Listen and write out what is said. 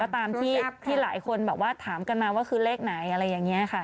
ตามที่หลายคนแบบว่าถามกันมาว่าคือเลขไหนอะไรอย่างนี้ค่ะ